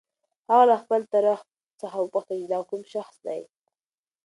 هغه له خپل تره څخه وپوښتل چې دا کوم شخص دی؟